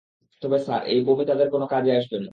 তবে স্যার, এই বোমি তাদের কোনো কাজে আসবে না।